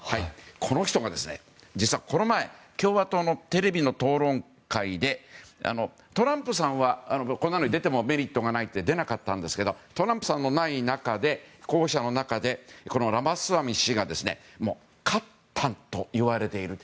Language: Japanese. この人が実はこの間共和党のテレビの討論会でトランプさんはこんなのに出てもメリットがないと言って出なかったんですけどトランプさんのいない候補者の中で、ラマスワミ氏が勝ったといわれている。